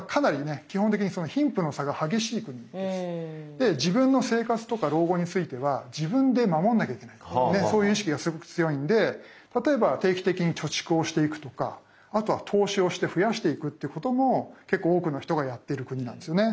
で自分の生活とか老後については自分で守んなきゃいけないっていうそういう意識がすごく強いので例えば定期的に貯蓄をしていくとかあとは投資をして増やしていくってことも結構多くの人がやってる国なんですよね。